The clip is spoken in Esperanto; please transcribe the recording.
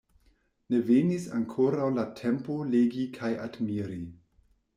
Ne venis ankoraŭ la tempo legi kaj admiri.